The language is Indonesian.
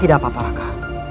tidak apa apa raka